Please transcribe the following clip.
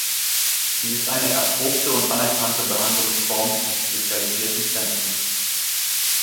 Sie ist eine erprobte und anerkannte Behandlungsform in spezialisierten Zentren.